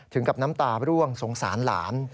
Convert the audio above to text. ถึงกับน้ำตาร่วงสงสารหลาน